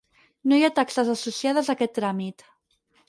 No hi taxes associades a aquest tràmit.